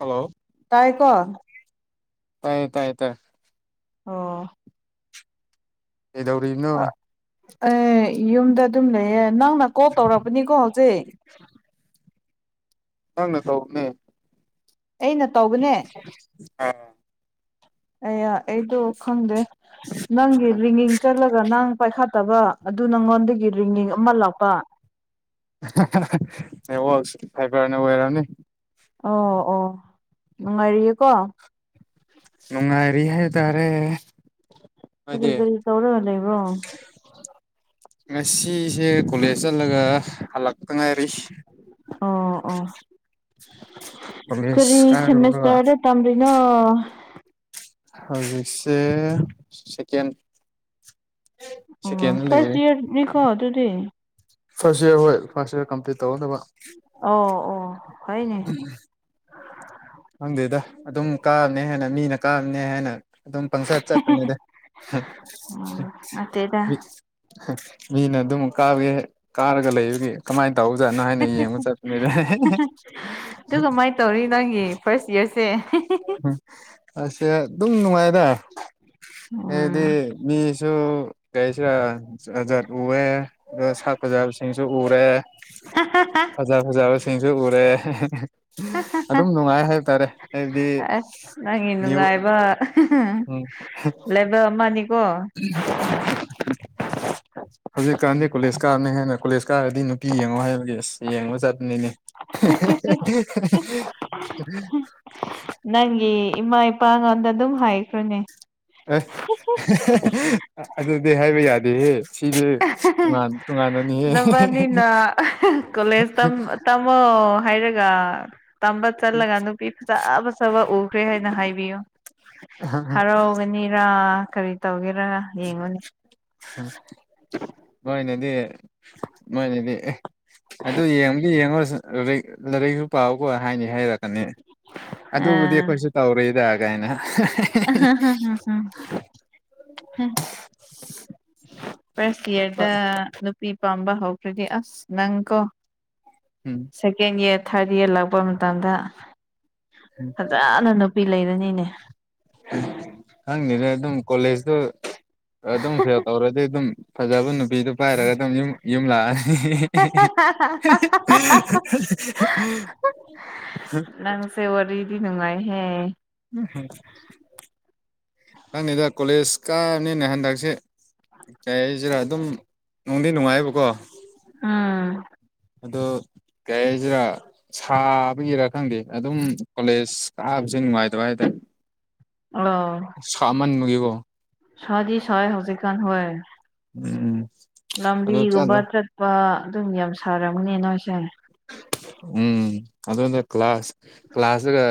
hello ꯇꯥꯏ ꯀꯣ ꯇꯥꯏ ꯇꯥꯏ ꯇꯥꯏ ꯑꯣ ꯀꯩꯗꯧꯔꯤꯅꯣ ꯑꯩ ꯌꯨꯝꯗ ꯑꯗꯨꯝ ꯂꯩꯌꯦ ꯅꯪꯅ ꯀꯣꯛ ꯇꯧꯔꯛꯄꯅꯤꯀꯣ ꯍꯧꯖꯤꯛ [inaudible] ꯅꯪꯅ ꯇꯧꯕꯅꯦ ꯑꯩꯅ ꯇꯧꯕꯅꯦ ꯑꯩꯑ ꯑꯩꯗꯣ ꯈꯪꯗꯦ ꯅꯪꯒꯤ ꯔꯤꯉꯤꯡ ꯆꯠꯂꯒ ꯅꯪ ꯄꯥꯏꯈꯥꯠ ꯇꯕ ꯑꯗꯨ ꯅꯪꯉꯣꯟꯗꯒꯤ ꯔꯤꯉꯤꯡ ꯑꯃ ꯂꯥꯛꯄ ꯅ‌ꯦꯋꯥꯛ ꯁꯥꯏꯕ꯭ꯔꯅ ꯑꯣꯏꯔꯝꯅꯤ ꯑꯣ ꯑꯣ ꯅꯨꯡꯉꯥꯏꯔꯤꯌꯦꯀꯣ ꯅꯨꯡꯉꯥꯏꯔꯤ ꯍꯥꯏꯇꯥꯔꯦ ꯀꯔꯤ ꯀꯔꯤ ꯇꯧꯔꯒ ꯂꯩꯕ꯭ꯔꯣ [inaudible] ꯉꯁꯤꯁꯦ ꯀꯣꯂꯦꯖ ꯆꯠꯂꯒ ꯍꯜꯂꯛꯄ ꯉꯥꯏꯔꯤ ꯑꯣ ꯑꯣ ꯀ‌ꯣꯂ‌ꯦꯖ ꯀꯔꯨꯔ‌ꯣ ꯇꯝꯕꯤꯅꯣ ꯍꯧꯖꯤꯛꯁꯦ ꯁꯀꯦꯟ ꯑꯣ ꯐꯔꯁ ꯂꯩꯔꯤ ꯏꯌꯔ ꯃꯤ ꯀꯣ ꯑꯗꯨꯗꯤ ꯐꯔꯁꯠ ꯏꯔ ꯍꯣꯏ ꯐꯔꯁꯠ ꯏꯔ ꯀꯝꯄꯂꯤꯠ ꯇꯧꯗꯕ ꯑꯣ ꯑꯣ ꯐꯩꯅ‌ꯦ ꯈꯪꯗꯦꯗ ꯑꯗꯨꯝ ꯀꯥꯔꯅꯤ ꯍꯥꯏꯅ ꯃꯤꯅ ꯀꯥꯔꯅꯤ ꯍꯥꯏꯅ ꯑꯗꯨꯝ ꯄꯪꯁꯥ ꯆꯠꯄꯅꯤꯗ ꯎꯝ ꯅꯠꯇꯦꯗ ꯃꯤꯅ ꯑꯗꯨꯝ ꯀꯥꯕꯩꯒꯤ ꯀꯥꯔꯒ ꯂꯩꯕꯒꯤ ꯀꯃꯥꯏ‌ ꯇꯧꯖꯥꯠꯅꯣ ꯍꯥꯏꯅ ꯌꯦꯡꯕ ꯆꯠꯄꯅꯦꯗ ꯑꯗꯨ ꯀꯃꯥꯏꯅ ꯇꯧꯔꯤ ꯅꯪꯒꯤ ꯐꯥꯔꯁ ꯏꯌꯥꯔꯁꯦ ꯑꯁꯦ ꯑꯗꯨꯝ ꯅꯨꯡꯉꯥꯏꯗ ꯎꯝ ꯑꯩꯗꯤ ꯃꯤꯁꯨ ꯀꯔꯤꯁꯤꯔ ꯖꯠ ꯖꯠ ꯎꯑꯦ ꯁꯥꯛ ꯐꯖꯥꯕꯁꯤꯡꯁꯨ ꯎꯔꯦ ꯎ ꯍ ꯍ ꯁꯛ ꯐꯖꯥꯕꯁꯤꯡꯁꯨ ꯎꯔꯦ ꯑꯗꯨꯝ ꯅꯨꯡꯉꯥꯏ ꯍꯥꯏꯇꯥꯔꯦ ꯑꯁ ꯅꯪꯒꯤ ꯅꯨꯡꯉꯥꯏꯕ ꯎꯝ ꯒ ꯃꯅꯤꯀꯣ ꯎꯝ ꯍꯧꯖꯤꯛꯀꯥꯟꯗꯤ ꯀꯣꯂꯦꯖ ꯀꯥꯕꯅꯦ ꯍꯥꯏꯅ ꯀꯣꯂꯦꯖ ꯀꯥꯔꯗꯤ ꯅꯨꯄꯤ ꯌꯦꯡꯉꯣ ꯍꯥꯏꯕꯒꯤ ꯑꯁ ꯌꯦꯡꯕ ꯆꯥꯠꯄꯅꯤꯅꯦ ꯅꯪꯒꯤ ꯏꯃꯥ ꯏꯄꯥꯉꯣꯟꯗ ꯑꯗꯨꯝ ꯍꯥꯏꯈ꯭ꯔꯣꯅꯦ ꯑ ꯑꯗꯨꯗꯤ ꯍꯥꯏꯕ ꯌꯥꯗꯦꯍꯦ ꯁꯤꯗꯤ ꯇꯣꯉꯥꯟ ꯇꯣꯉꯥꯟꯕꯅꯤꯍꯦ ꯅꯕꯅꯤꯅ ꯀꯣꯂꯦꯖ ꯇꯝ ꯇꯝꯃꯣ ꯍꯥꯏꯔꯒ ꯇꯝꯕ ꯆꯠꯂꯒ ꯅꯨꯄꯤ ꯐꯖ ꯐꯖꯕ ꯎꯈ꯭ꯔꯦ ꯍꯥꯏꯅ ꯍꯥꯏꯕꯤꯌꯨ ꯍꯔꯥꯎꯕꯅꯤꯔꯥ ꯀꯔꯤ ꯇꯧꯒꯦꯔ ꯌꯦꯡꯉꯣꯅꯦ ꯃꯣꯏꯅꯗꯤ ꯃꯣꯏꯅꯗꯤ ꯑꯦ ꯑꯗꯨ ꯌꯦꯡꯗꯤ ꯌꯦꯡꯉꯨꯔꯁꯨ ꯂꯥꯏ ꯂꯥꯏꯔꯤꯛꯁꯨ ꯄꯥꯎꯀꯣ ꯍꯥꯏꯅꯤ ꯍꯥꯏꯔꯛꯀꯅꯤ ꯑꯗꯨꯕꯨꯗꯤ ꯑꯥ ꯑꯩꯈꯣꯏꯁꯨ ꯇꯧꯔꯤꯗ ꯀꯥꯏꯅ ꯎꯝꯝꯝꯝ ꯐꯥꯔꯁꯠ ꯌꯥꯔꯗ ꯅꯨꯄꯤ ꯄꯥꯝꯕ ꯍꯧꯈ꯭ꯔꯗꯤ ꯑꯁ ꯅꯪ ꯀꯣ ꯎꯝ ꯁꯦꯀꯦꯟ ꯏꯌꯥꯔ ꯊꯥꯔꯠ ꯏꯌꯥꯔ ꯂꯥꯛꯄ ꯃꯇꯝꯗ ꯐꯖꯅ ꯅꯨ ꯄꯤ ꯂꯩꯔꯅꯤꯅꯦ ꯈꯪꯗꯦꯗ ꯑꯗꯨꯝ ꯀꯣꯂꯦꯖꯇꯨ ꯑꯗꯨꯝ ꯐꯦꯜ ꯇꯧꯔꯗꯤ ꯑꯗꯨꯝ ꯐꯖꯕ ꯅꯨꯄꯤꯗꯨ ꯄꯥꯏꯔꯒ ꯑꯗꯨꯝ ꯌꯨꯝ ꯌꯨꯝꯂꯥꯛꯑꯦ ꯅꯪꯁꯦ ꯋꯔꯤꯗꯤ ꯅꯨꯡꯉꯥꯏꯍꯦ ꯎꯝ ꯈꯪꯗꯦꯗ ꯀꯣꯂꯦꯖ ꯀꯥꯕꯅꯤꯅ ꯍꯟꯗꯛꯁꯦ ꯀꯩ ꯍꯥꯏꯁꯤꯔꯥ ꯑꯗꯨꯝ ꯅꯨꯡꯗꯤ ꯅꯨꯡꯉꯥꯏꯕꯀꯣ ꯎꯝ ꯑꯗꯣ ꯀꯩ ꯍꯥꯏꯁꯤꯔ ꯁꯥꯕꯒꯤꯔꯥ ꯈꯪꯗꯦ ꯑꯗꯨꯝ ꯀꯣꯂꯦꯖ ꯀꯥꯕꯁꯦ ꯅꯨꯡꯉꯥꯏꯇꯕ ꯍꯥꯏꯇꯏ ꯑꯣ ꯁꯥꯃꯟꯕꯒꯤꯀꯣ ꯁ꯭ꯗꯤ ꯁ꯭ꯥꯏ ꯍꯧꯖꯤꯛꯀꯥꯟ ꯍꯣꯏ ꯎꯝ ꯑꯗꯣ ꯂꯝꯕꯤꯒꯨꯝꯕ ꯆꯠꯂꯣ ꯆꯠ ꯄ ꯑꯗꯨꯝ ꯌꯥꯝ ꯁꯥꯔꯝꯒꯅꯤ ꯅꯣꯏꯁꯦ ꯎꯝ ꯑꯗꯨꯗꯣ ꯀ꯭ꯂꯥꯁ ꯀ꯭ꯂꯥꯁꯇꯒ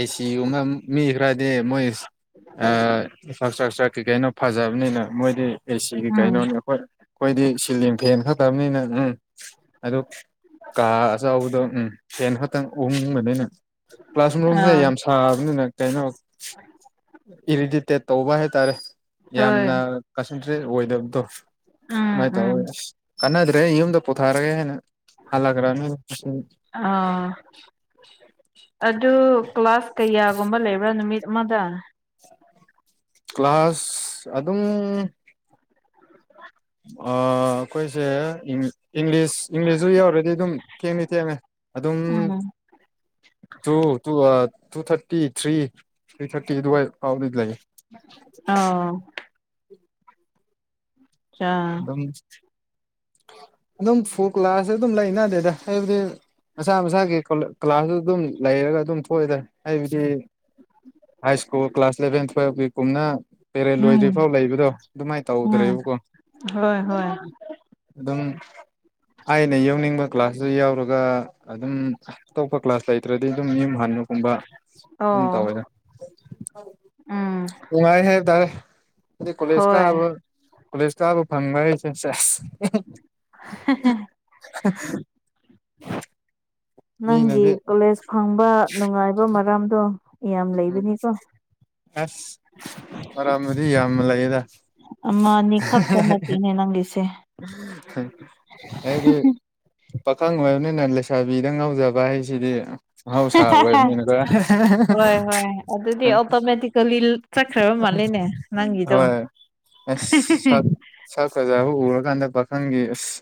ꯑꯦꯁꯤꯒꯨꯝꯕ ꯃꯤ ꯈꯔꯗꯤ ꯃꯣꯏ ꯏꯟꯐ꯭ꯔ ꯏꯁꯇ꯭ꯔꯛꯆꯔ ꯀꯩ ꯀꯩꯅꯣ ꯐꯖꯕꯅꯤꯅ ꯃꯣꯏꯗꯤ ꯑꯦꯁꯤꯒꯤ ꯎꯝ ꯀꯩꯅꯣꯅꯤ ꯑꯈꯣꯏ ꯑꯈꯣꯏꯗꯤ ꯁꯤꯂꯤꯡ ꯐꯦꯟ ꯈꯛꯇꯕꯅꯤꯅ ꯎꯝ ꯑꯗꯨ ꯀꯥ ꯑꯆꯥꯎꯕꯗꯣ ꯎꯝ ꯐꯦꯟ ꯈꯛꯇꯪ ꯎꯪꯕꯅꯤꯅ ꯀ꯭ꯂꯥꯁꯔꯨꯝꯁꯦ ꯌꯥꯝ ꯁꯥꯕꯅꯤꯅ ꯀꯩꯅꯣ ꯎ ꯏꯔꯤꯗꯤꯠꯇꯦꯠ ꯇꯧꯕ ꯍꯥꯏꯇꯥꯔꯦ ꯍꯣꯏ ꯌꯥꯝꯅ ꯀꯟꯁꯦꯟꯇ꯭ꯔꯦꯠ ꯑꯣꯏꯗꯕꯗꯣ ꯎꯝ ꯃꯥꯏ ꯎꯝ ꯇꯧꯋꯦ ꯀꯟꯅꯗ꯭ꯔꯦ ꯌꯨꯝꯗ ꯄꯨꯊꯔꯒꯦ ꯍꯥꯏꯅ ꯍꯜꯂꯛꯔꯅꯤ ꯑꯥ ꯑꯗꯨ ꯀ꯭ꯂꯥꯁ ꯀꯩꯌꯥ ꯒꯨꯝꯕ ꯂꯩꯕꯔ ꯅꯨꯃꯤꯠ ꯑꯃꯗ ꯀ꯭ꯂꯥꯁ ꯑꯗꯨꯝ ꯑꯥ ꯑꯩꯈꯣꯏꯁꯦ ꯏꯪꯂꯤꯁ ꯏꯪꯂꯤꯁꯁꯨ ꯌꯧꯔꯗꯤ ꯑꯗꯨꯝ ꯊꯦꯡꯉꯦ ꯊꯦꯡꯉꯦ ꯑꯗꯨꯝ ꯎꯝ ꯇꯨ ꯇꯨ ꯑꯥ two thirty three three thirty ꯑꯗꯨꯋꯥꯏ ꯐꯥꯎꯗꯤ ꯂꯩ ꯑ ꯆꯥ ꯝ [unintelligible] [inaudible] ꯑꯗꯨꯝ ꯐꯣ ꯀ꯭ꯂꯥꯁ ꯑꯗꯨꯝ ꯂꯩꯅꯗꯦꯗ ꯍꯥꯏꯕꯗꯤ ꯃꯁꯥ ꯃꯁꯥꯒꯤ ꯀ꯭ꯂꯥꯁꯇꯨ ꯑꯗꯨꯝ ꯂꯩꯔꯒ ꯑꯗꯨꯝ ꯊꯣꯛꯑꯦꯗꯥ ꯍꯥꯏꯕꯗꯤ ꯍꯥꯏ ꯁ꯭ꯀꯨꯜ ꯀ꯭ꯂꯥꯁ ꯏꯂꯦꯚꯦꯟ ꯇꯨꯋꯜꯕꯀꯤꯒꯨꯝꯅ ꯄꯦꯔꯦꯗ ꯂꯣꯏꯗ꯭ꯔꯤ ꯎꯝ ꯐꯥꯎ ꯂꯩꯕꯗꯣ ꯑꯗꯨꯃꯥꯏ ꯎꯝ ꯇꯧꯗ꯭ꯔꯦꯕꯀꯣ ꯍꯣꯏ ꯍꯣꯏ ꯑꯗꯨꯝ ꯑꯩꯅ ꯌꯧꯅꯤꯡꯕ ꯀ꯭ꯂꯥꯁꯇ ꯌꯥꯎꯔꯒ ꯑꯗꯨꯝ ꯑꯇꯣꯞꯄ ꯀ꯭ꯂꯥꯁ ꯂꯩꯇ꯭ꯔꯗꯤ ꯑꯗꯨꯝ ꯌꯨꯝ ꯍꯟꯕꯒꯨꯝꯕ ꯑꯗꯨꯝ ꯑꯣ ꯇꯧꯋꯦꯗ ꯎꯝ ꯅꯨꯡꯉꯥꯏ ꯍꯥꯏꯕ ꯇꯔꯦ ꯑꯗꯨꯏ ꯀꯣꯂꯦꯖ ꯍꯣꯏ ꯀꯕ ꯀꯥꯕꯥ ꯐꯪꯕ ꯍꯥꯏꯁꯦ ꯁꯦꯁ ꯅꯪꯒꯤ ꯃꯤꯅꯗꯤ ꯀꯣꯂꯦꯖ ꯐꯪꯕ ꯅꯨꯡꯉꯥꯏꯕ ꯃꯔꯝꯗꯣ ꯌꯥꯝ ꯎꯝ ꯂꯩꯕꯅꯤꯀꯣ ꯑꯁ ꯃꯥꯔꯝꯕꯨꯗꯤ ꯌꯥꯝ ꯂꯩꯌꯦꯗ ꯑꯃ-ꯑꯅꯤ ꯈꯛꯇ ꯅꯠꯇꯦꯅꯦ ꯅꯪꯒꯤꯁꯦ [unintelligible] ꯍꯥꯏꯗꯤ ꯄꯥꯈꯪ ꯑꯣꯏꯕꯅꯤꯅ ꯂꯩꯁꯥꯕꯤꯗ ꯉꯥꯎꯖꯕ ꯍꯥꯏꯁꯤꯗꯤ ꯃꯍꯧꯁꯥ ꯑꯣꯏꯕꯅꯤꯅꯀꯣ [unintelligible] ꯍꯣꯏ ꯍꯣꯏ ꯑꯗꯨꯗꯤ ꯑꯣꯇꯣꯃꯦꯇꯤꯀꯦꯜꯂꯤ ꯆꯠꯈ꯭ꯔꯕ ꯃꯥꯜꯂꯦꯅꯦ [unintelligible] ꯅꯪꯒꯤꯗꯣ ꯍꯣꯏ ꯑꯁ [unintelligible] ꯁꯛ ꯐꯖꯕ ꯎꯔꯀꯥꯟꯗ ꯄꯥꯈꯪꯒꯤ ꯑꯁ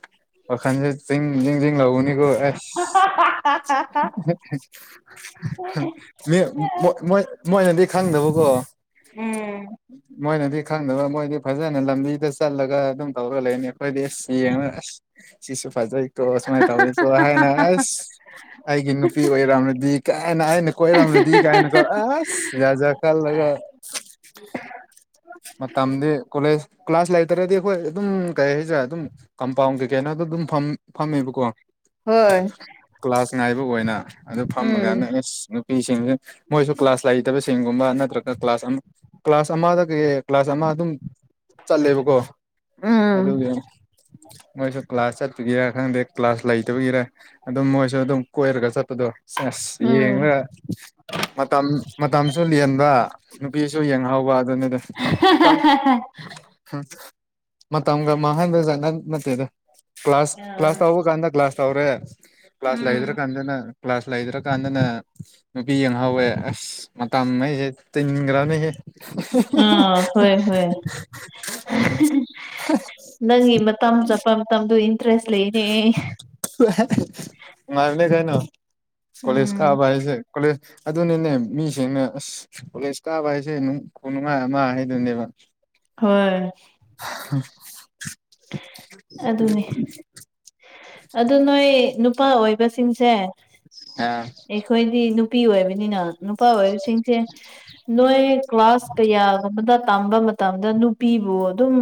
ꯋꯥꯈꯟꯖꯦ ꯆꯤꯡ ꯖꯤꯡ-ꯖꯤꯡ ꯂꯥꯎꯕꯅꯤꯀꯣ ꯑꯁ [unintelligible] ꯃꯤ-ꯃꯣꯏ-ꯃꯣꯏ-ꯃꯣꯏꯅꯗꯤ ꯈꯪꯗꯕꯀꯣ ꯎꯝ ꯃꯣꯏꯅꯗꯤ ꯈꯪꯗꯕ ꯃꯣꯏꯗꯤ ꯐꯖꯅ ꯂꯝꯕꯤꯗ ꯆꯠꯂꯒ ꯑꯗꯨꯝ ꯇꯧꯔ ꯂꯩꯅꯤ ꯈꯣꯢꯗꯤ ꯑꯁ ꯌꯦꯡꯉꯒ ꯑꯁ ꯁꯤꯁꯨ ꯐꯖꯩꯀꯣ ꯁꯨꯃꯥꯏ ꯇꯧꯅꯤꯀꯣ ꯍꯥꯏꯅ ꯑꯁ ꯑꯩꯒꯤ ꯅꯨꯄꯤ ꯑꯣꯏꯔꯝꯂꯗꯤ ꯀꯥꯏꯅ ꯑꯩꯅ ꯀꯣꯏꯔꯝꯃꯗꯤ ꯀꯥꯏꯅꯀꯣ ꯑꯁ ꯖꯥꯠ-ꯖꯥꯠ ꯈꯜꯂꯒ [unintelligible] ꯃꯇꯝꯗꯤ ꯀꯣꯂꯦꯖ ꯀ꯭ꯂꯥꯁ ꯂꯩꯇ꯭ꯔꯗꯤ ꯑꯩꯈꯣꯏ ꯑꯗꯨꯝ ꯀꯩ [unintelligible] ꯑꯗꯨꯝ ꯀꯝꯄꯥꯎꯟ ꯀꯩꯀꯩꯅꯣ ꯑꯗꯨꯗꯨꯝ ꯐꯝ ꯐꯝꯃꯦꯕꯀꯣ ꯍꯣꯏ ꯀ꯭ꯂꯥꯁ ꯉꯥꯏꯕ ꯑꯣꯏꯅ ꯑꯗꯨꯝ ꯐꯝꯃꯀꯥꯟꯗ ꯎꯝ ꯑꯁ ꯄꯤꯁꯤꯡꯖꯨ ꯃꯣꯏꯁꯨ ꯀ꯭ꯂꯥꯁ ꯂꯩꯇꯕꯁꯤꯡꯒꯨꯝꯕ ꯅꯠꯇ꯭ꯔꯒ ꯀ꯭ꯂꯥꯁ ꯑꯃ ꯀ꯭ꯂꯥꯁ ꯑꯃꯗꯒꯤ ꯀ꯭ꯂꯥꯁ ꯑꯃ ꯑꯗꯨꯝ ꯆꯠꯂꯦꯕꯀꯣ ꯎꯝ ꯑꯗꯨꯒꯤ ꯃꯣꯏꯁꯨ ꯀ꯭ꯂꯥꯁ ꯆꯠꯄꯒꯤꯔꯥ ꯈꯪꯗꯦ ꯀ꯭ꯂꯥꯁ ꯂꯩꯇꯕꯒꯤꯔꯥ ꯑꯗꯨꯝ ꯃꯣꯏꯁꯨ ꯑꯗꯨꯝ ꯀꯣꯏꯔꯒ ꯆꯠꯄꯗꯣ ꯁꯦꯁ ꯎꯝ ꯌꯦꯡꯔꯒ ꯃꯇꯝ-ꯃꯇꯝꯁꯨ ꯂꯦꯟꯕ ꯅꯨꯄꯤꯁꯨ ꯌꯦꯡꯍꯧꯕ ꯑꯗꯨꯅꯤꯗ ꯃꯇꯝ ꯃꯇꯝꯒ ꯃꯥꯡꯍꯟꯕꯖꯥꯠ ꯅꯠ-ꯅꯠꯇꯦꯗ ꯀ꯭ꯂꯥꯁ-ꯀ꯭ꯂꯥꯁ ꯇꯧꯕꯀꯥꯟꯗ ꯀ꯭ꯂꯥꯁ ꯇꯧꯔꯦ ꯀ꯭ꯂꯥꯁ ꯎꯝ ꯂꯩꯇꯔꯀꯥꯟꯗꯅ ꯀ꯭ꯂꯥꯁ ꯂꯩꯗ꯭ꯔꯀꯥꯟꯗꯅ ꯅꯨꯄꯤ ꯌꯦꯡꯍꯥꯎꯋꯦ ꯑꯁ ꯃꯇꯝ ꯑꯩꯖꯦ ꯇꯤꯡꯒꯔ꯭ꯝꯅꯤꯍꯦ ꯍꯣꯏ-ꯍꯣꯏ ꯅꯪꯒꯤ ꯃꯇꯝ ꯆꯠꯄ ꯃꯇꯝꯗꯨ [unintelligible] ꯂꯩꯔꯦ ꯅꯨꯡꯉꯥꯏꯕꯅꯤ ꯀꯩꯅꯣ ꯀꯣꯂꯦꯖ ꯎꯝ ꯀꯥꯕ ꯍꯥꯏꯁꯦ ꯀꯣꯂꯦꯖ ꯑꯗꯨꯅꯤꯅꯦ ꯃꯤꯁꯤꯡꯅ ꯑꯁ ꯀꯣꯂꯦꯖ ꯀꯥꯕ ꯍꯥꯏꯁꯦ ꯅꯨꯡ ꯈꯨꯅꯨꯡꯑꯥꯏ ꯑꯃ ꯍꯥꯏꯗꯨꯅꯦꯕ ꯍꯣꯏ [unintelligible] ꯑꯗꯨꯅꯦ ꯑꯗꯨ ꯅꯣꯏ ꯅꯨꯄꯥ ꯑꯣꯏꯕꯁꯤꯡꯁꯦ ꯑ ꯑꯩꯈꯣꯏꯗꯤ ꯅꯨ ꯄꯤ ꯑꯣꯏꯕꯅꯤꯅ ꯅꯨꯄꯥ ꯑꯣꯏꯕꯁꯤꯡꯁꯦ ꯅꯣꯏ ꯀ꯭ꯂꯥꯁ ꯀꯌꯥꯒꯨꯝꯕꯗ ꯇꯝꯕ ꯃꯇꯝꯗ ꯅꯨꯄꯤꯕꯨ ꯑꯗꯨꯝ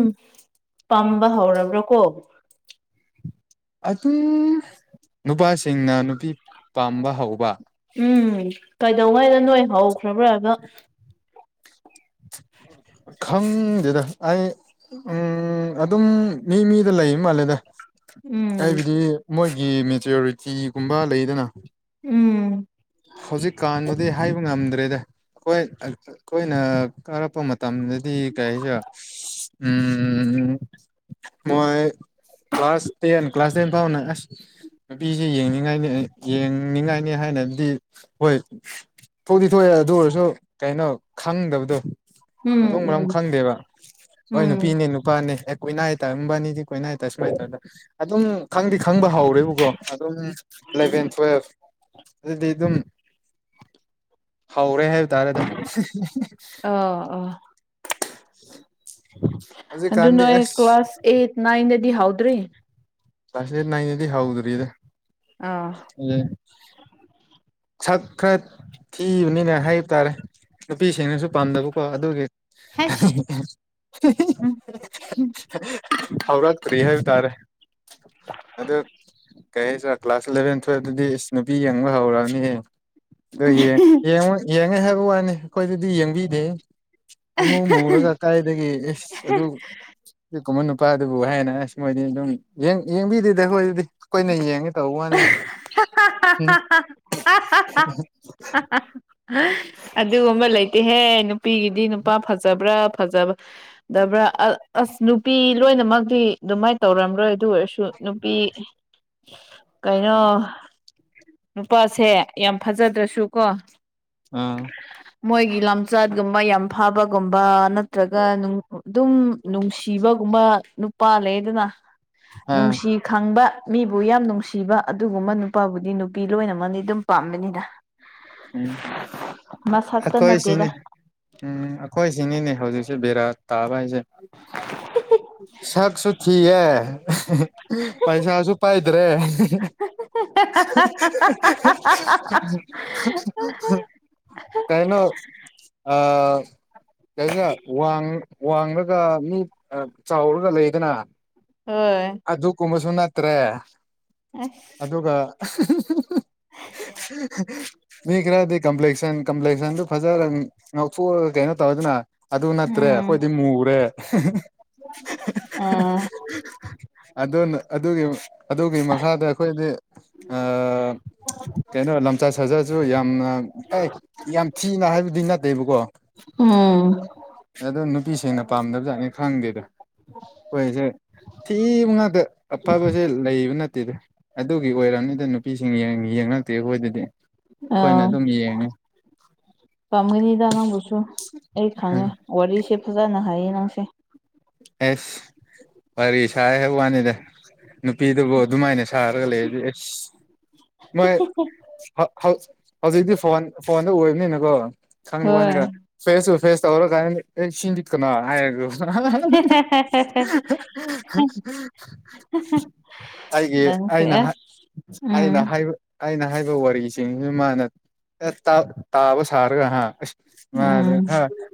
ꯄꯥꯝ ꯕꯍꯧꯔꯕꯔꯀꯣ ꯑꯗꯨꯝ ꯅꯨꯄꯥꯁꯤꯡꯅ ꯅꯨꯄꯤ ꯄꯥꯝꯕ ꯍꯧꯕ ꯎꯝ ꯀꯩꯗꯧꯉꯩꯗ ꯅꯣꯏ ꯍꯧꯈ꯭ꯔꯕ꯭ꯔꯥ ꯗꯨꯝ ꯈꯪꯗꯦꯗ ꯑꯩ ꯎꯝ ꯑꯗꯨꯝ ꯃꯤ-ꯃꯤꯗ ꯂꯩ ꯃꯥꯜꯂꯦꯗ ꯎꯝ ꯍꯥꯏꯕꯗꯤ ꯃꯣꯏꯒꯤ ꯃꯤꯖꯣꯔꯤꯇꯤꯒꯨꯝꯕ ꯂꯩꯗꯅ ꯎꯝ ꯍꯧꯖꯤꯛꯀꯥꯟꯕꯨꯗꯤ ꯍꯥꯏꯕ ꯉꯝꯗ꯭ꯔꯦꯗ ꯑꯈꯣꯏ ꯑ-ꯑꯩꯈꯣꯏꯅ ꯀꯥꯔꯛꯄ ꯃ ꯇꯝꯗꯗꯤ ꯀꯩꯁꯨ ꯎꯝ-ꯎꯝ-ꯎꯝ ꯃꯣꯏ ꯀ꯭ꯂꯥꯁ ꯇꯦꯟ ꯀ꯭ꯂꯥꯁ ꯇꯦꯟ ꯄꯥꯎꯅ ꯑꯁ ꯅꯨꯄꯤꯁꯤ ꯌꯦꯡꯅꯤꯡꯉꯥꯏꯅꯤ ꯌꯦꯡꯅꯤꯡꯉꯥꯏꯅꯤ ꯍꯥꯏꯅꯗꯤ ꯍꯣꯏ ꯊꯣꯛꯇꯤ-ꯊꯣꯛꯑꯦ ꯑꯗꯨ ꯑꯣꯏꯔꯁꯨ ꯀꯩꯅꯣ ꯈꯪꯗꯕꯗꯣ ꯎꯝ ꯃꯊꯣꯡ ꯃꯔꯝ ꯎꯝ ꯈꯪꯗꯦꯕ ꯍꯣꯏ ꯎꯝ ꯅꯨꯄꯤꯅꯦ ꯅꯨꯄꯥꯅꯦ ꯑꯦ ꯀꯣꯏꯅꯩ ꯇꯔꯝꯕꯅꯤꯗꯤ ꯀꯣꯏꯅꯗ ꯁꯨꯃꯥꯏ ꯇꯧꯗ ꯑꯗꯨꯝ ꯈꯪꯗꯤ ꯈꯪꯕ ꯍꯧꯥꯎꯔꯦꯕꯀꯣ ꯑꯗꯨꯝ ꯏꯂꯚꯦꯟ ꯇꯨꯋꯦꯜꯐ ꯑꯗꯨꯗꯤ ꯗꯨꯝ ꯍꯧꯔꯦ ꯍꯥꯏꯕ ꯇꯥꯔꯦꯗ ꯑ ꯑꯥ [inaudible] ꯑꯗꯨ ꯍꯧꯖꯤꯛꯀꯥꯟꯗꯤ ꯅꯣꯏ ꯑꯁ ꯀ꯭ꯂꯥꯁ ꯑꯦꯠ ꯅꯥꯏꯟꯗꯗꯤ ꯍꯥꯎꯗ꯭ꯔꯤ ꯀꯂ꯭ꯥꯁ ꯑꯥꯠ ꯅꯥꯏꯅꯦꯗꯤ ꯍꯥꯎꯗ꯭ꯔꯔꯤ ꯏꯗ ꯑꯥ [unintelligible] ꯁꯛ ꯈꯔ ꯊꯤꯕꯅꯤꯅ ꯍꯥꯏꯕ ꯇꯥꯔꯦ ꯅꯨꯄꯤꯁꯤꯡꯅꯁꯨ ꯄꯥꯝꯗꯕꯀꯣ ꯑꯗꯨꯒꯤ ꯍꯩꯁ [inaudible] ꯍꯧꯔꯥꯛꯇꯔꯤ ꯍꯩꯕ ꯇꯥꯔꯦ ꯑꯗꯨ ꯀꯩ ꯍꯥꯏꯁꯤꯔ ꯀ꯭ꯂꯥꯁ ꯏꯂꯚꯦꯟ ꯊꯨꯋꯇꯗꯤ ꯏꯁ ꯅꯨꯄꯤ ꯌꯦꯡꯕ ꯍꯧꯔꯅꯤ ꯑꯦ ꯑꯗꯨ ꯌꯦꯡꯉꯣ ꯌꯦꯡꯉꯦ ꯍꯥꯏꯕ ꯋꯥꯅꯤ ꯑꯩꯈꯣꯏꯗꯗꯤ ꯌꯦꯡꯕꯤꯗꯦ ꯏꯃꯨꯡ ꯃꯨꯔꯒ ꯀꯥꯏꯗꯒꯤ ꯑꯦꯁ ꯑꯗꯨ ꯀꯃꯟ ꯅꯨꯄꯥꯗꯨꯕꯨ ꯍꯥꯏꯅ ꯑꯁ ꯃꯣꯏꯅꯤ ꯑꯗꯨꯝ ꯌꯦꯡꯕꯤꯗꯦꯗ ꯑꯩ ꯍꯣꯏ ꯑꯗꯨꯗꯤ ꯀꯣꯏ ꯅ ꯌꯦꯡꯉꯦ ꯇꯧꯕ ꯋꯥꯅꯦ ꯍꯥ ꯍꯥ ꯑꯗꯨꯒꯨꯝꯕ ꯂꯩꯇꯦꯍꯦ ꯅꯨꯄꯤꯒꯤꯗꯤ ꯅꯨꯄꯥ ꯐꯖꯕ꯭ꯔꯥ ꯐꯖꯕ ꯗꯕ꯭ꯔꯥ ꯑ ꯑꯁ ꯅꯨꯄꯤ ꯂꯣꯏꯅꯃꯛꯇꯤ ꯑꯗꯨꯃꯥꯏꯅ ꯇꯧꯔꯝꯔꯣꯏ ꯑꯗꯨ ꯑꯣꯏꯔꯁꯨ ꯁꯨ ꯅꯨꯄꯤ ꯀꯩꯅꯣ ꯅꯨꯄꯥꯁꯦ ꯌꯥꯝ ꯐꯖꯗ꯭ꯔꯁꯨ ꯀꯣ ꯑꯥ ꯃꯣꯏꯒꯤ ꯂꯝꯆꯠꯒꯨꯝꯕ ꯌꯥꯝ ꯐꯥꯕꯒꯨꯝꯕ ꯅꯠꯇ꯭ꯔꯒ ꯅꯨꯡ ꯑꯗꯨꯝ ꯅꯨꯡꯁꯤꯕꯒꯨꯝꯕ ꯅꯨꯄꯥ ꯂꯩꯗꯅ ꯑꯥ ꯅꯨꯡꯁꯤ ꯈꯪꯕ ꯃꯤꯕꯨ ꯌꯥꯝ ꯅꯨꯡꯁꯤꯕ ꯑꯗꯨ [unintelligible] ꯅꯨꯄꯥꯕꯨꯗꯤ ꯅꯨꯄꯤ ꯂꯣꯏꯅꯃꯛ ꯑꯗꯨꯝ ꯄꯥꯝꯝꯕꯅꯤꯅ ꯎꯝ ꯃꯁꯛꯇ ꯅꯠꯇꯦꯗ ꯑꯩꯈꯣꯏꯁꯤꯅꯦ ꯎꯝ ꯑꯩꯈꯣꯏ ꯁꯤꯅꯤꯅꯦ ꯍꯧꯖꯤꯛꯁꯦ ꯕꯦꯔꯥ ꯇꯥꯕ ꯍꯥꯏꯁꯦ [inaudible] ꯁꯛꯁꯨ ꯊꯤꯌꯦ ꯄꯩꯁꯥꯁꯨ ꯄꯥꯏꯗ꯭ꯔꯦ [inaudible] ꯀꯥꯏꯅꯣ ꯑ ꯀꯩꯕ ꯋꯥꯡ ꯋꯥꯡꯂꯒ ꯃꯤ ꯆꯥꯎꯔꯒ ꯂꯩꯗꯅ ꯍ‌ꯣꯏ ꯑꯗꯨꯒꯨꯝꯕꯁꯨ ꯅꯠꯇ꯭ꯔꯦ ꯑꯁ ꯑꯗꯨꯒ ꯃꯤ ꯈꯔꯗꯤ ꯀꯝꯄ꯭ꯂꯦꯛꯁꯟ ꯀꯝꯄ꯭ꯂꯦꯛꯁꯟꯗꯨ ꯐꯖꯔ ꯉꯥꯎꯊꯣꯛꯑꯒ ꯀꯩꯅꯣ ꯇꯧꯏꯗꯅ ꯑꯗꯨ ꯅꯠꯇ꯭ꯔꯦ ꯎꯝ ꯑꯈꯣꯏꯗꯤ ꯃꯨꯔꯦ ꯑꯣ ꯑꯗꯨꯅ ꯑꯗꯨꯒꯤ ꯑꯗꯨꯒꯤ ꯃꯈꯥꯗ ꯑꯩꯈꯣꯏꯗꯤ ꯀꯩꯅꯣ ꯂꯝꯆꯥꯠ ꯁꯥꯖꯥꯁꯨ ꯌꯥꯝꯅ ꯑꯦ ꯌꯥꯝ ꯊꯤꯅ ꯍꯥꯏꯕꯗꯤ ꯅꯠꯇꯦꯕꯀꯣ ꯎꯝ ꯑꯗꯣ ꯅꯨꯄꯤꯁꯤꯡꯅ ꯄꯥꯝꯗꯕꯖꯠꯅꯤ ꯈꯪꯗꯦꯗ ꯍꯣꯏꯁꯦ ꯊꯤꯕ ꯉꯥꯛꯇ ꯑꯐꯕꯁꯦ ꯂꯩꯕ ꯅꯠꯇꯦꯗ ꯑꯗꯨꯒꯤ ꯑꯣꯏꯔꯕꯝꯅꯤꯗ ꯅꯨꯄꯤꯁꯤꯡ ꯌ‌ꯦꯡ ꯌꯦꯡꯉꯛꯇꯦ ꯑꯩꯈꯣꯏꯗꯗꯤ ꯑ ꯑꯩꯈꯣꯏꯅ ꯑꯗꯨꯝ ꯌꯦꯡꯉꯤ ꯄꯥꯝꯒꯅꯤꯗ ꯅꯪꯕꯨꯁꯨ ꯑꯩ ꯈꯪꯉꯦ ꯋꯥꯔꯤꯁꯦ ꯐꯖꯅ ꯍꯥꯏꯌꯦ ꯅꯪꯁꯦ ꯑꯦꯁ ꯋꯥꯔꯤ ꯁꯥꯏ ꯍꯥꯏꯕ ꯋꯥꯅꯤꯗ ꯅꯨꯄꯤꯗꯨꯕꯨ ꯑꯗꯨꯃꯥꯏꯅ ꯁꯥꯔꯒ ꯂꯩꯔꯗꯤ ꯑꯁ ꯃꯣꯏ ꯍꯧ ꯍꯧꯖꯤꯛꯇꯤ ꯐꯣꯟ ꯐꯣꯟꯗ ꯑꯣꯏꯕꯅꯤꯅꯀꯣ ꯈꯪꯗ ꯍꯣꯏ ꯋꯥꯅꯤꯗ ꯐꯦꯁ ꯇꯨ ꯐꯦꯁ ꯇꯧꯔ ꯀꯥꯟꯗ ꯑꯦ ꯁꯤꯟꯗꯤ ꯀꯅꯥ ꯍꯥꯏꯔꯒ [inaudible] [unintelligible] ꯑꯩꯒꯤ ꯅꯪꯁꯦ ꯑꯩꯅ ꯍꯥꯏ ꯑꯁ ꯎꯝ ꯑꯩꯅ ꯍꯥꯏꯕ ꯑꯩꯅ ꯍꯥꯏꯕ ꯋꯥꯔꯤꯁꯤꯡꯁꯤ ꯃꯥꯅ ꯇꯥꯕ ꯁꯥꯔꯒ ꯍ ꯃꯥꯗ ꯎꯝ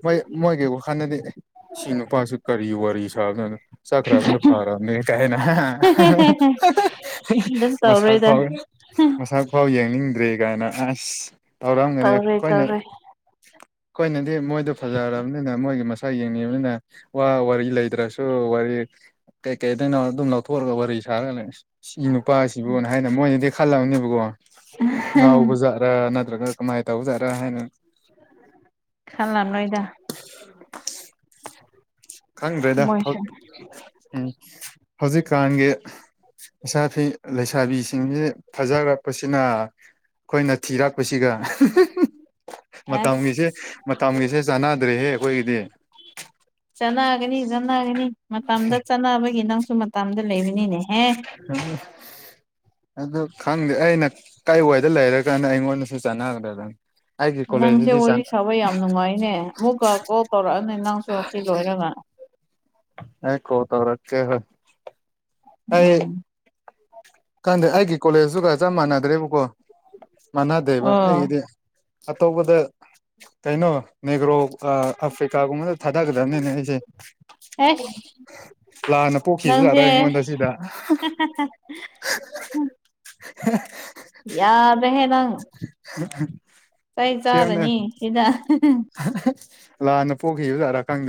ꯃꯣꯏ ꯃꯣꯏꯒꯤ ꯋꯥꯈꯜꯗꯗꯤ ꯁꯤ ꯅꯨꯄꯥꯁꯨ ꯀꯔꯤ ꯋꯥꯔꯤ ꯁꯥꯕꯖꯠꯅ‌ꯣ ꯆꯠꯈꯔꯥꯕꯅꯤ ꯐꯥꯔꯕꯅꯤ ꯀꯥꯏ ꯀꯩꯝ ꯇꯧꯔꯣꯏꯗ ꯃꯁꯛ ꯐꯥꯎ ꯌꯦꯡꯅꯤꯡꯗ꯭ꯔꯦ ꯀꯥꯏꯅ ꯑꯁ ꯇꯧꯔꯝꯒꯅꯤ ꯇꯧꯔꯣꯏ ꯑꯩꯈꯣꯏꯅ ꯇꯧꯔꯣꯏ ꯑꯩꯈꯣꯏꯅꯗꯤ ꯃꯣꯏꯗꯣ ꯐꯖꯔꯕꯅꯤꯅ ꯃꯣꯏꯒꯤ ꯃꯁꯛ ꯌꯦꯡꯅꯤꯡꯕꯅꯤꯅ ꯋꯥ ꯋꯥꯔꯤ ꯂꯩꯇ꯭ꯔꯥꯁꯨ ꯋꯥꯔꯤ ꯀꯩꯀꯩꯗꯩꯅꯣ ꯑꯗꯨꯝ ꯂꯧꯊꯣꯛꯑꯒ ꯋꯥꯔꯤ ꯁꯥꯔ ꯂꯩꯁꯤ ꯁꯤ ꯅꯨꯄꯥꯁꯤꯕꯨꯅ ꯍꯥꯏꯅ ꯃꯣꯏꯅꯗꯤ ꯈꯜꯂꯕꯅꯦꯕꯀꯣ ꯉꯥꯎꯕꯖꯥꯠ ꯅꯠꯇ꯭ꯔꯒ ꯀꯃꯥꯏꯅ ꯇꯧꯖꯥꯔꯥ ꯍꯥꯏꯅ ꯈꯥꯟꯂꯝꯂꯣꯏꯗ ꯈꯪꯗ꯭ꯔꯦꯗ ꯍꯧ ꯃꯣꯏꯁꯨ ꯎꯝ ꯍꯧꯖꯤꯛꯀꯥꯟꯒꯤ ꯁ [unintelligible] ꯂꯩꯁ ꯁꯥꯕꯤꯁꯤꯡꯁꯤꯦ ꯐꯖꯈꯔꯛꯄꯁꯤꯅ ꯑꯩꯈꯣꯏꯅ ꯊꯤꯔꯛꯄꯁꯤꯒ ꯑꯁ ꯃꯇꯝꯒꯤꯁꯦ ꯃꯇꯝꯒꯤꯁꯦ ꯆꯥꯟꯅꯗ꯭ꯔꯦꯍꯦ ꯑꯩꯈꯣꯏꯒꯤꯗꯤ ꯆꯥꯟꯅꯒꯅꯤ ꯆꯥꯟꯅꯒꯅꯤ ꯃꯇꯝꯗ ꯆꯥꯟꯅꯕꯒꯤ ꯅꯪꯁꯨ ꯃꯇꯝꯗ ꯂꯩꯕꯅꯤꯅꯦꯍꯦ ꯍꯝ [unintelligible] ꯑꯗꯨ ꯈꯪꯗꯦ ꯑꯩꯅ ꯀꯥꯏ ꯋꯥꯏꯗ ꯂꯩꯔꯒꯥꯟꯅ ꯑꯩꯉꯣꯟꯗꯁꯨ ꯆꯥꯟꯅꯒꯗꯗꯅꯤ [unintelligible] ꯅꯪꯁꯦ ꯋꯥꯔꯤ ꯁꯥꯕ ꯌꯥꯝ ꯅꯨꯡꯉꯥꯏꯅꯦ ꯑꯃꯨꯛꯀ ꯀꯣꯜ ꯇꯧꯔꯛꯑꯅꯤ ꯅꯪꯁꯨ ꯑꯁꯤ ꯂꯣꯏꯔꯒ ꯑꯩ ꯀꯣꯜ ꯇꯧꯔꯛꯀ‌ꯦ ꯍꫭꯏ ꯎꯝ ꯈꯟꯗꯦ ꯑꯩꯒꯤ ꯀꯣꯂꯦꯖꯇꯨꯒ ꯆꯞ ꯃꯥꯟꯅꯗ꯭ꯔꯦꯕꯀꯣ ꯃꯥꯟꯅꯗꯦꯕ ꯑꯣ ꯑꯩꯒꯤꯗꯤ ꯑꯇꯣꯞꯄꯗ ꯀꯩꯅꯣ ꯅꯦꯒ꯭ꯔꯣ ꯑꯥ ꯑꯥꯐ꯭ꯔꯤꯀꯥꯒꯨꯝꯕꯗ ꯊꯥꯗꯒꯗꯕꯅꯤꯅꯦ ꯑꯩꯁꯦ ꯍꯥꯁ ꯂꯥꯟꯅ ꯄꯣꯛꯈꯤꯕꯖꯥꯠꯔ ꯑꯩꯉꯣꯟꯗ ꯁꯤꯗ ꯍ [unintelligible] ꯍ [unintelligible] ꯌꯥꯗ꯭ꯔ‌ꯦꯍꯦ ꯅꯪ [unintelligible] ꯀꯩ ꯁꯦꯝꯅ ꯆꯒꯅꯤ ꯁꯤꯗ ꯂꯥꯟꯅ ꯄꯣꯛꯈꯤꯕꯖꯥꯠꯔꯥ ꯈꯪꯗꯦ